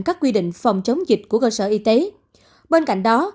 các quy định phòng chống dịch của cơ sở y tế bên cạnh đó